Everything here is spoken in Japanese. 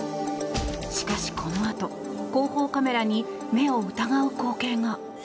しかし、このあと後方カメラに目を疑う光景が。